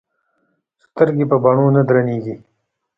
سترګې په بڼو نه درنې ايږي